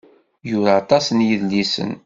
Yura aṭas n yedlisen.